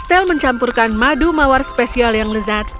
stel mencampurkan madu mawar spesial yang lezat